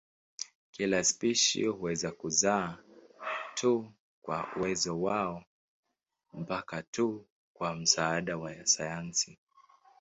Kila spishi huweza kuzaa tu kwa uwezo wao mpaka tu kwa msaada wa sayansi.